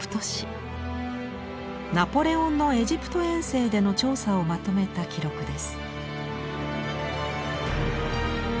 ナポレオンのエジプト遠征での調査をまとめた記録です。